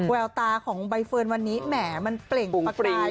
แววตาของใบเฟิร์นวันนี้แหมมันเปล่งประกาย